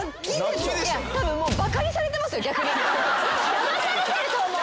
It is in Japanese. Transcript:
だまされてると思う。